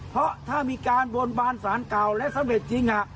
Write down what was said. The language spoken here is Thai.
เพราะถ้ามีการบนบานสารเก่าและสำเร็จจริง